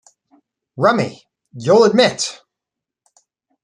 Rummy, you'll admit.